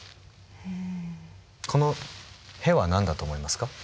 この「ヘ」は何だと思いますか？